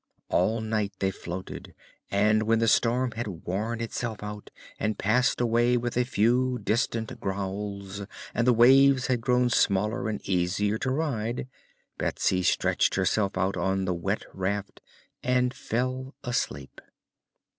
All night they floated, and when the storm had worn itself out and passed away with a few distant growls, and the waves had grown smaller and easier to ride, Betsy stretched herself out on the wet raft and fell asleep.